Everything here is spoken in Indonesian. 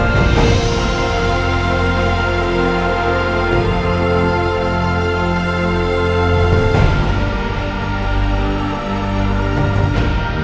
saya akan menang